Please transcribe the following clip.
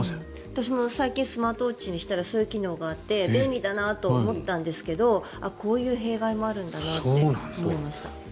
私も最近スマートウォッチにしたらそういう機能があって便利だなと思ったんですがこういう弊害もあるんだなって思いました。